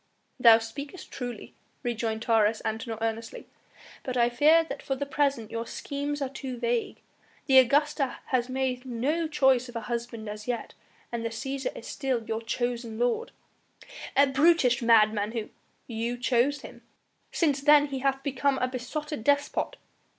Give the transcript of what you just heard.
"Thou speakest truly," rejoined Taurus Antinor earnestly; "but I fear me that for the present your schemes are too vague. The Augusta hath made no choice of a husband as yet, and the Cæsar is still your chosen lord." "A brutish madman, who " "You chose him " "Since then he hath become a besotted despot."